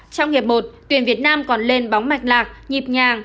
trong hiệp một tuyển việt nam còn lên bóng mạch lạc nhịp nhàng